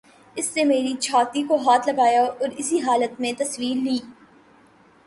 اس نے میری چھاتی کو ہاتھ لگایا اور اسی حالت میں تصویر لی